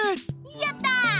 やったぁ！